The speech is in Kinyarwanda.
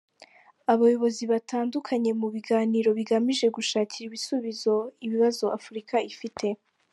Abayobozi batandukanye mu biganiro bigamije gushakira ibisubizo ibibazo Afurika ifite.